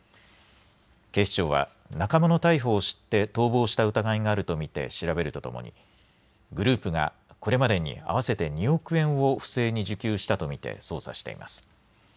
警視庁は仲間の逮捕を知って逃亡した疑いがあると見て調べるとともにグループがこれまでに合わせて２億円を不正に受給したと見て捜査しています。